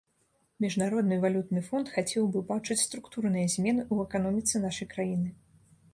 Міжнародны валютны фонд хацеў бы бачыць структурныя змены ў эканоміцы нашай краіны.